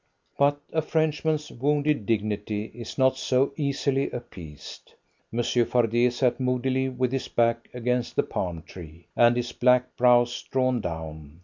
But a Frenchman's wounded dignity is not so easily appeased. Monsieur Fardet sat moodily with his back against the palm tree, and his black brows drawn down.